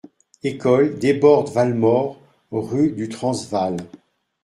École Desbordes-Valmore Rue du Transvaal.